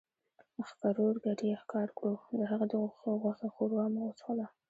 ښکرور ګډ ئې ښکار کړو، د هغه د غوښې ښوروا مو وڅښله